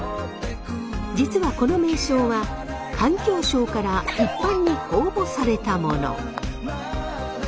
実はこの名称は環境省から一般に公募されたもの。